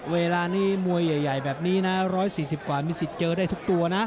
เวลานี้มวยใหญ่แบบนี้นะ๑๔๐กว่ามีสิทธิ์เจอได้ทุกตัวนะ